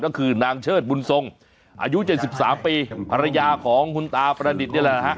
ก็คือนางเชิดบุญทรงอายุ๗๓ปีภรรยาของคุณตาประดิษฐ์นี่แหละฮะ